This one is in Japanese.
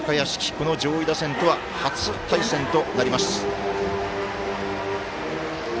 この上位打線とは初対戦となります。